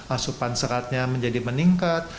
asupan seratnya menjadi meningkat